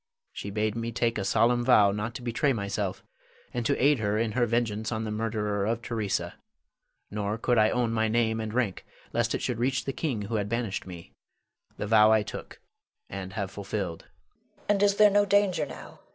She bade me take a solemn vow not to betray myself, and to aid her in her vengeance on the murderer of Theresa. Nor could I own my name and rank, lest it should reach the king who had banished me. The vow I took, and have fulfilled. Leonore. And is there no danger now?